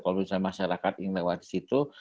kalau misalnya masyarakat yang lewat di situ